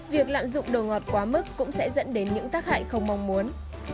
việc lạm dụng đồ ngọt quá mức cũng sẽ dẫn đến những tác hại không mong muốn